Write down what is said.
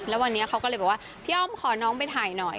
แล้ววันนี้เขาก็เลยบอกว่าพี่อ้อมขอน้องไปถ่ายหน่อย